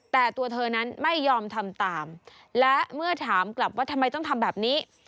แต่ตัวเธอนั้นไม่ยอมทำตามและเมื่อถามกลับว่าทำไมต้องทำแบบนี้